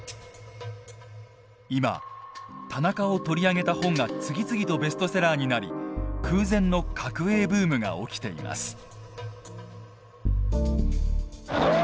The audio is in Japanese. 今田中を取り上げた本が次々とベストセラーになり空前の角栄ブームが起きています。